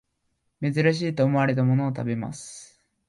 珍しいと思われたものを食べます